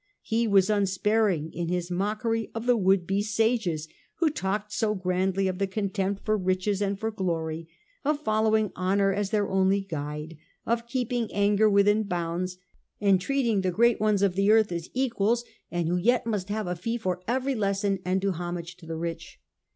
He was unsparing in his mockery of the would be sages who talked so grandly of the contempt for riches and for glory, of following Honour as their only guide, of keeping anger within bounds, and treating the CH. VIII. The Literary Currents of the Age, 193 great ones of the earth as equals, and who yet must have a tee for every lesson, and do homage to the rich.